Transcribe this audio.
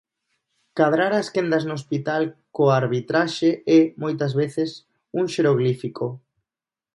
Cadrar as quendas no hospital coa arbitraxe é, moitas veces, un xeroglífico.